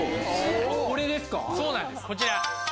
これですか。